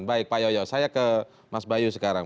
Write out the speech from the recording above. baik pak yoyo saya ke mas bayu sekarang